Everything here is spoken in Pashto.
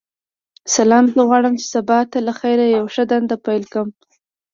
سلام ،زه غواړم چی سبا ته لخیر یوه ښه دنده پیل کړم.